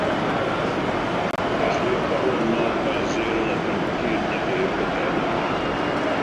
Felly y coronodd Basil y bryncyn heb ben.